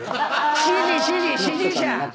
指示！指示！指示者！